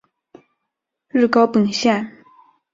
日高本线。